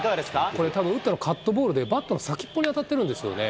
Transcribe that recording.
これ、たぶん打ったの、カットボールで、バットの先っぽに当たってるんですよね。